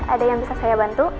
ada yang bisa saya bantu